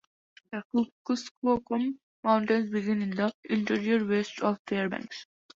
The Kuskokwim Mountains begin in the interior west of Fairbanks.